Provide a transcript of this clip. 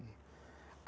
ada satu pekerjaannya